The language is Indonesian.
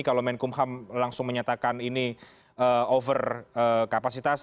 kalau menkumham langsung menyatakan ini over kapasitas